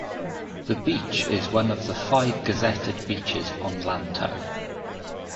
The beach is one of the five gazetted beaches on Lantau.